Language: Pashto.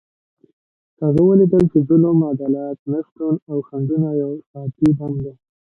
هغه ولیکل چې ظلم، عدالت نشتون او خنډونه یو ساعتي بم دی.